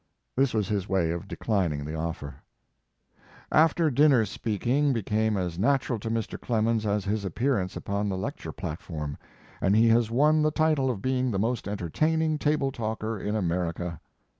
This was his way of declining the offer. After dinner speaking became as natu ral to Mr. Clemens, as his appearance upon the lecture platform, and he has won the title of being the most entertaining table talker in America.